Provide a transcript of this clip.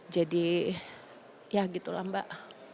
jadi ya gitu lah mbak